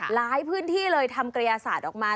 หลายพื้นที่เลยทำกระยาศาสตร์ออกมา